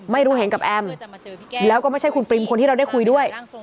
ไม่รู้เห็นกับแอมแล้วก็ไม่ใช่คุณปริมคนที่เราได้คุยด้วย